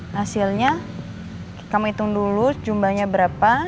hasilnya kami hitung dulu jumlahnya berapa